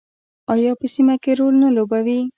آیا په سیمه کې رول نه لوبوي؟